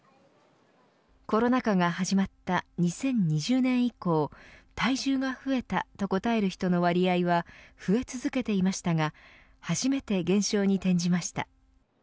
コロナ禍が始まった２０２０年以降体重が増えたと答える人の割合は増え続けていましたが初めて減少に転じました。